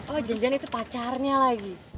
oh jan jan itu pacarnya lagi